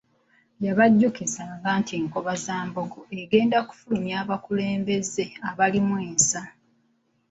Yabajjukiza nga Nkobazambogo egenda kufulumya abakulembeze abalimu ensa.